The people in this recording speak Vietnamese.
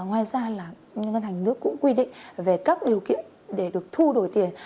ngoài ra là ngân hàng nhà nước cũng quy định về các điều kiện để được thu đổi tiền